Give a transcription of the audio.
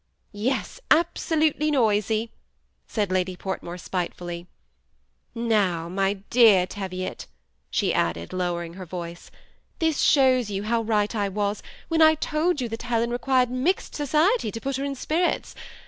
" Yes, absolutely noisy," said Lady Portmore, spite fully. "Now, my dear Teviot," she added, lowering her voice, " this shows you how right I was, when I told you that Helen requires mixed society to put her in spirits.